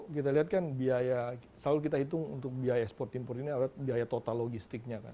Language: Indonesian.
kita lihat kan biaya selalu kita hitung untuk biaya ekspor impor ini adalah biaya total logistiknya kan